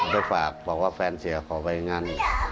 ไปฝากบอกว่าแฟนเสียขอไปงาน